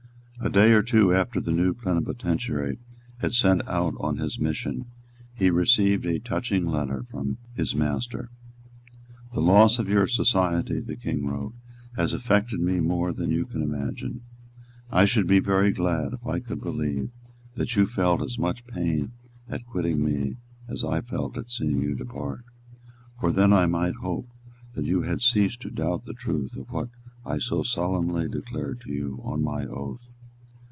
A day or two after the new plenipotentiary had set out on his mission, he received a touching letter from his master. "The loss of your society," the King wrote, "has affected me more than you can imagine. I should be very glad if I could believe that you felt as much pain at quitting me as I felt at seeing you depart; for then I might hope that you had ceased to doubt the truth of what I so solemnly declared to you on my oath.